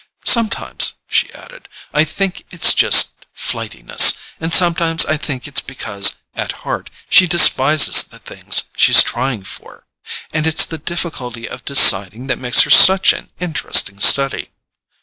"Sometimes," she added, "I think it's just flightiness—and sometimes I think it's because, at heart, she despises the things she's trying for. And it's the difficulty of deciding that makes her such an interesting study."